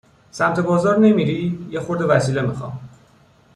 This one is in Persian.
سمت بازار نمیری؟ یه خورده وسیله می خوام